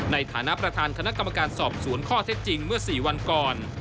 ในฐานะประธานคณะกรรมการสอบสวนข้อเท็จจริงเมื่อ๔วันก่อน